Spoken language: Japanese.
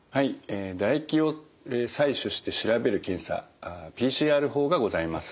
え唾液を採取して調べる検査ＰＣＲ法がございます。